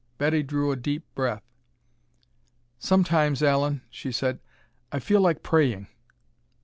Betty drew a deep breath. "Sometimes, Allen," she said, "I feel like praying!"